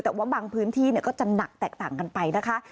แต่ว่าบางพื้นที่ก็จะหนักแตกต่างกันไปนะคะ